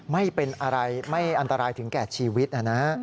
ไม่เป็นอะไรไม่อันตรายถึงแก่ชีวิตนะฮะ